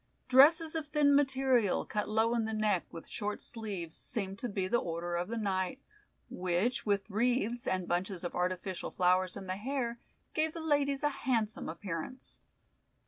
Dresses of thin material, cut low in the neck, with short sleeves, seemed to be the order of the night, which with wreaths, and bunches of artificial flowers in the hair, gave the ladies a handsome appearance.